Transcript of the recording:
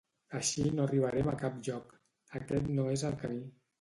Així no arribarem a cap lloc, aquest no és el camí.